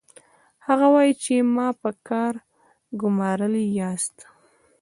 هغه وايي چې ما په کار ګومارلي یاست